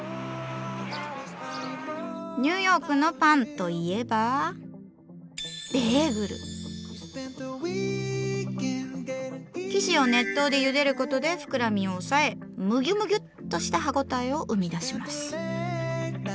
ニューヨークのパンといえば生地を熱湯でゆでることで膨らみを抑えムギュムギュッとした歯応えを生み出します。